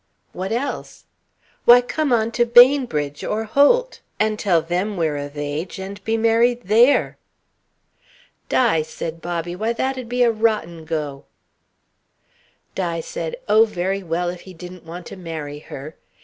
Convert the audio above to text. "What else?" "Why, come on to Bainbridge or Holt, and tell them we're of age, and be married there." "Di," said Bobby, "why, that'd be a rotten go." Di said, oh very well, if he didn't want to marry her.